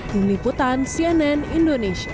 dung liputan cnn indonesia